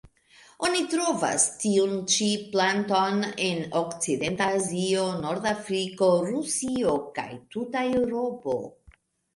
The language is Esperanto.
Oni trovas tiun ĉi planton en okcidenta Azio, Nordafriko, Rusio kaj tuta Eŭropo.